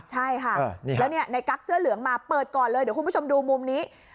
ใช่ค่ะแล้วในกั๊กเสื้อเหลืองมาเปิดก่อนเลยเดี๋ยวคุณผู้ชมดูมุมนี้